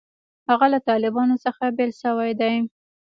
هغه له طالبانو څخه بېل شوی دی.